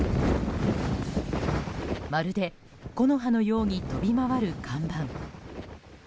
まるで木の葉のように飛び回る看板。